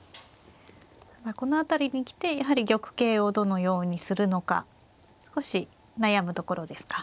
この辺りに来てやはり玉形をどのようにするのか少し悩むところですか。